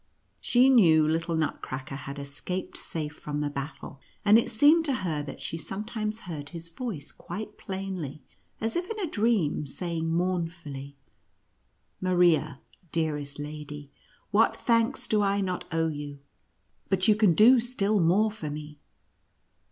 She knew little Nutcracker had escaped safe from the battle, and it seemed to NUTCRACKER AKD MOUSE KING . 51 her that she sometimes heard his voice quite plainly, as if in a dream, saying mournfully, " Maria, dearest lady, what thanks do I not owe you ! but you can do still more for me."